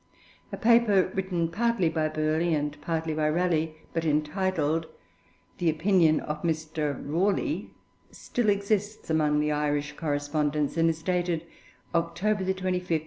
A paper written partly by Burghley and partly by Raleigh, but entitled The Opinion of Mr. Rawley, still exists among the Irish Correspondence, and is dated October 25, 1582.